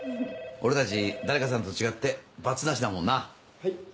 俺たち誰かさんと違ってバツなしだもんな。